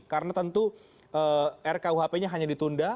karena tentu rkuhp nya hanya ditunda